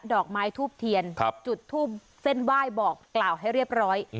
ดอกไม้ทูบเทียนจุดทูบเส้นไหว้บอกกล่าวให้เรียบร้อย